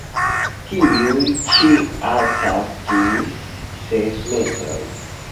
Tiuj ĉi altas ĝis ses metroj.